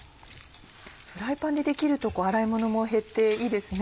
フライパンでできると洗い物も減っていいですね。